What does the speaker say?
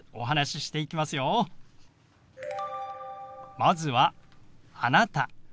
まずは「あなた」。